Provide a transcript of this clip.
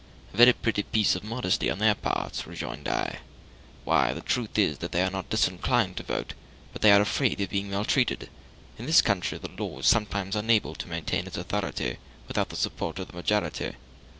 "A very pretty piece of modesty on their parts!" rejoined I. "Why, the truth is, that they are not disinclined to vote, but they are afraid of being maltreated; in this country the law is sometimes unable to maintain its authority without the support of the majority.